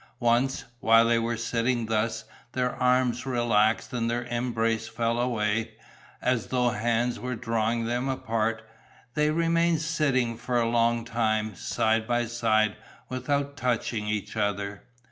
Once, while they were sitting thus, their arms relaxed and their embrace fell away, as though hands were drawing them apart. They remained sitting for a long time, side by side, without touching each other.